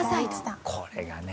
これがね。